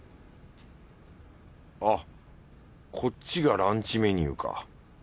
あっこっちがランチメニューか。